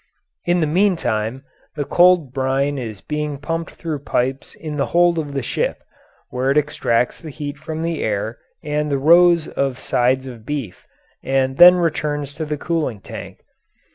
In the meantime, the cold brine is being pumped through the pipes in the hold of the ship, where it extracts the heat from the air and the rows of sides of beef and then returns to the cooling tank.